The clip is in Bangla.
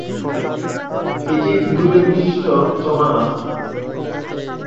এটি একটি দুই লেন বিশিষ্ট চওড়া রাস্তা।